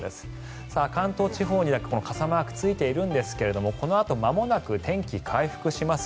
関東地方にだけ傘マークがついているんですがこのあとまもなく天気、回復します。